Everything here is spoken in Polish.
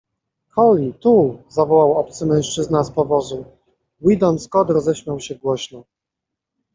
Collie, tu! - zawołał obcy mężczyzna z powozu. Weedon Scott roześmiał się głośno. -